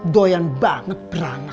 doyan banget prana